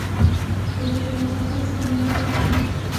پر بیت المقدس حمله وکړه.